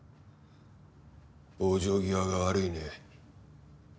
往生際が悪いね。